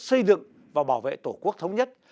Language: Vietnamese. xây dựng và bảo vệ tổ quốc thống nhất